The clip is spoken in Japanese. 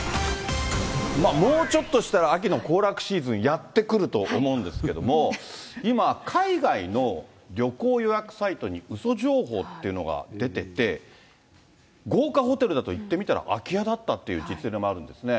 もうちょっとしたら、秋の行楽シーズンやって来ると思うんですけども、今、海外の旅行予約サイトにうそ情報っていうのが出てて、豪華ホテルだと行ってみたら空き家だったという実例もあるんですね。